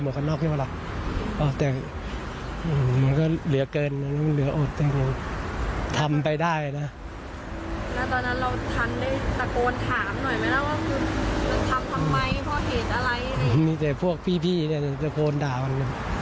โมงแจ้กพวงพี่ตัวโกรธด่ามั้น